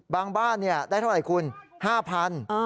บ้านได้เท่าไหร่คุณ๕๐๐บาท